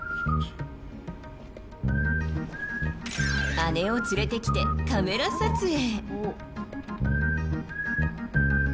姉を連れてきて、カメラ撮影。